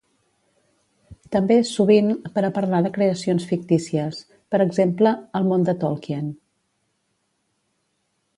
També, sovint, per a parlar de creacions fictícies; per exemple, el món de Tolkien.